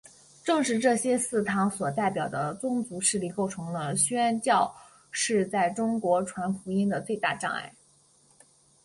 但正是这些祠堂所代表的宗族势力构成了宣教士在中国传福音的最大障碍。